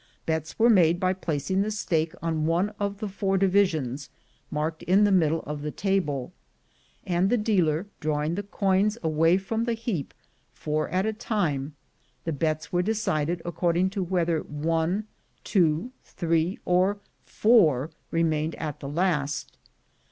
Bets were made by placing the stake on LIFE AT HIGH SPEED 83 one of four divisions, marked in the middle of the table, and the dealer, drawing the coins away from the heap, four at a time, the bets were decided accord ing to whether one, two, three, or four remained at the last.